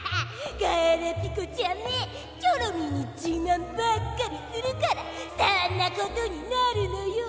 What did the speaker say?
ガラピコちゃんめチョロミーにじまんばっかりするからそんなことになるのよ！